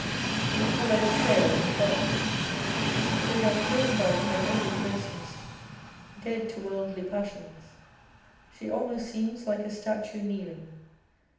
The colour is pale and gone ; so that purified from every gro^sness, dead to worldly passions, she almost seems like a statue kneeling.